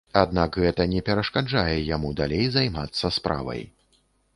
Аднак гэта не перашкаджае яму далей займацца справай.